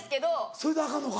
それでアカンのか。